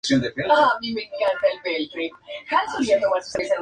Realiza su bachillerato en el Colegio del Estado de Santos.